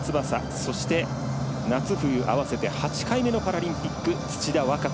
そして、夏冬合わせて８回目のパラリンピック、土田和歌子。